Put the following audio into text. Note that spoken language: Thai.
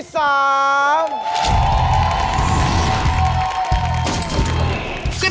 ก็จัดภัย